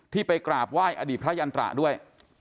ไปกราบไหว้อดีตพระยันตระด้วย